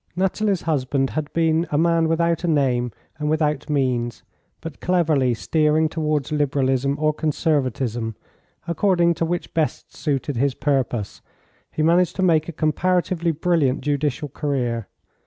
Nathalie's husband had been a man without a name and without means, but cleverly steering towards Liberalism or Conservatism, according to which best suited his purpose, he managed to make a comparatively brilliant judicial career.